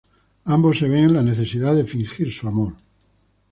Ambos se ven en la necesidad de fingir su amor.